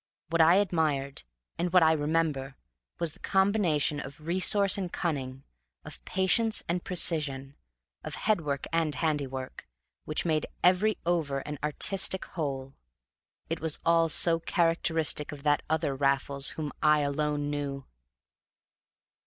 What I admired, and what I remember, was the combination of resource and cunning, of patience and precision, of head work and handiwork, which made every over an artistic whole. It was all so characteristic of that other Raffles whom I alone knew!